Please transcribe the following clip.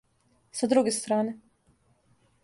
Са друге стране.